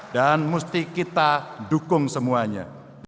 dan mesti kita dukung semuanya